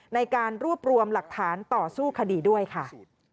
ในการรวบรวมหลักฐานต่อสู้คดีด้วยค่ะ